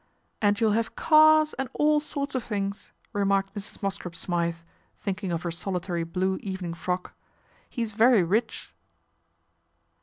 " And you'll have cars and all sorts of things,' remarked Mrs. Mosscrop Smythe, thinking of he solitary blue evening frock, " he's very rich.'